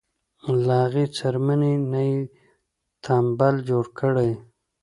له هغې څرمنې نه یې تمبل جوړ کړی.